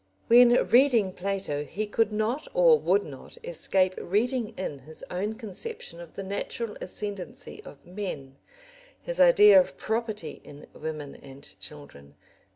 When reading Plato he could not or would not escape reading in his own conception of the natural ascendency of men, his idea of property in women and children.